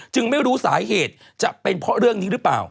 จึงไม่รู้สาเหกจะเป็นพอร่องนี้หรือเปล่า